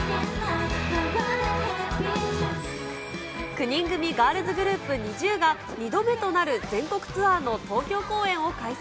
９人組ガールズグループ、ＮｉｚｉＵが、２度目となる全国ツアーの東京公演を開催。